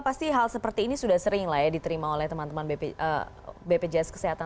pasti hal seperti ini sudah sering lah ya diterima oleh teman teman bpjs kesehatan